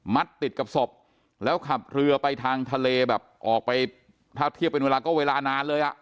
ติดกับศพแล้วขับเรือไปทางทะเลแบบออกไปถ้าเทียบเป็นเวลาก็เวลานานเลยอ่ะ